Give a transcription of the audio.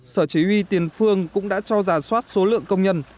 sở chỉ huy tiền phương cũng đã cho giả soát số lượng công nhân